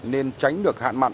nên tránh được các nguyên liệu